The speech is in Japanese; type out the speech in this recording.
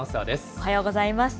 おはようございます。